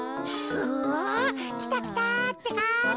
うわっきたきたってか。